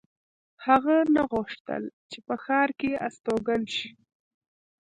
هغه نه غوښتل چې په ښار کې استوګن شي